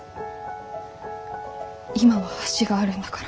今は橋があるんだから。